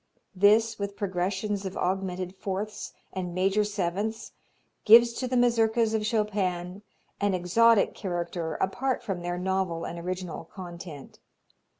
This, with progressions of augmented fourths and major sevenths, gives to the Mazurkas of Chopin an exotic character apart from their novel and original content.